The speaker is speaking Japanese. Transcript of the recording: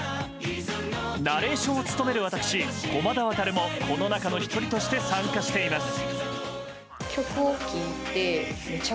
ナレーションを務める私、駒田航もこの中の１人として参加しています。